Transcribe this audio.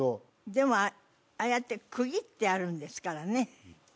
でもああやって区切ってあるんですからね